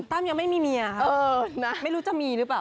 ตั้มยังไม่มีเมียครับไม่รู้จะมีหรือเปล่า